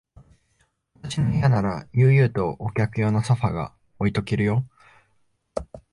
私の部屋なら、悠々とお客用のソファーが置いとけるよ。